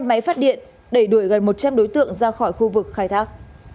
hai máy phát điện đẩy đuổi gần một trăm linh đối tượng ra khỏi khu vực khai thác